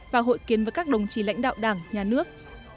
và hội kiến với các đồng chí lãnh đạo đảng nhà nước